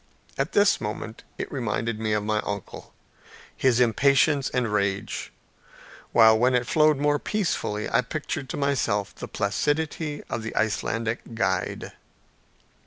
At this moment it reminded me of my uncle, his impatience and rage, while when it flowed more peacefully, I pictured to myself the placidity of the Icelandic guide.